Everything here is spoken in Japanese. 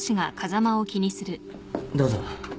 どうぞ。